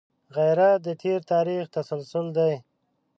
غیرت د تېر تاریخ تسلسل دی